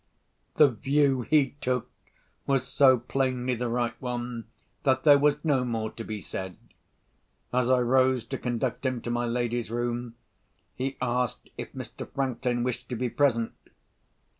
The view he took was so plainly the right one, that there was no more to be said. As I rose to conduct him to my lady's room, he asked if Mr. Franklin wished to be present.